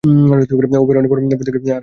ও বেরোনোর পর থেকেই আর আমাদের পাশে দাঁড়ায়নি।